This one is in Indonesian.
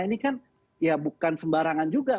ini kan ya bukan sembarangan juga